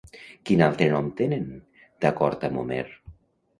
Quin altre nom tenen, d'acord amb Homer?